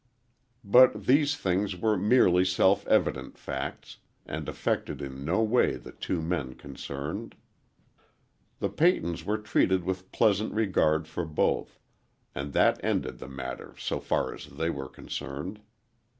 But these things were merely self evident facts, and affected in no way the two men concerned. The Peytons were treated with pleasant regard for both, and that ended the matter so far as they were concerned.